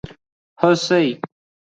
🦌 هوسي